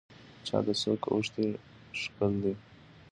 چا د څوک اوښتي شکل دی.